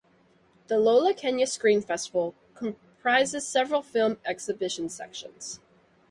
The Lola Kenya Screen festival comprises several film exhibition sections.